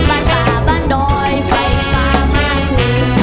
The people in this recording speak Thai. บานฟ้าบ้านดอยไฟฟ้าภาธุ